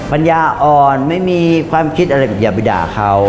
ปัญญาอ่อนไม่มีความคิดอะไรอย่าไปด่าเขา